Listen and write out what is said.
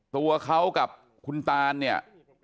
ตัวเขากับคุณตานเนี่ย